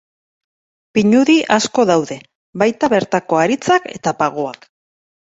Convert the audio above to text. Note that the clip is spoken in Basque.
Pinudi asko daude, baita bertako haritzak eta pagoak.